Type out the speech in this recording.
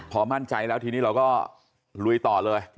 พอมั่นใจแล้วทีนี้เราก็ลุยต่อเลย